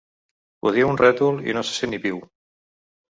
Ho diu un rètol i no se sent ni piu.